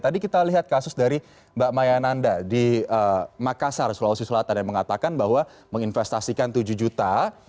tadi kita lihat kasus dari mbak maya ananda di makassar sulawesi selatan yang mengatakan bahwa menginvestasikan tujuh juta